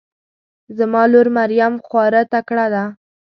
زما لور مريم خواره تکړه ده